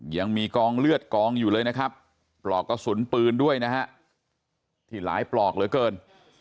ยังมีกองเลือดกองอยู่เลยนะครับปลอกกระสุนปืนด้วยนะฮะที่หลายปลอกเหลือเกิน